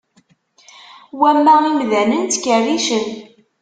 Wamma, imdanen ttkerricen